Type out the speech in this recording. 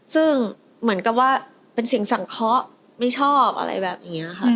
ซึ่งเหมือนกับว่าเป็นเสียงสังเคาะไม่ชอบอะไรแบบนี้ค่ะ